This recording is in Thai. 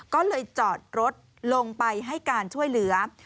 ก็เลยจอดรถลงไปให้การช่วยเหลือ